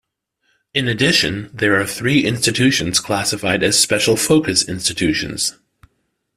In addition, there are three institutions classified as special-focus institutions.